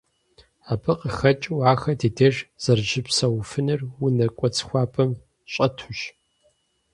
Абы къыхэкӏыу ахэр ди деж зэрыщыпсэуфынур унэ кӏуэцӏ хуабэм щӏэтущ.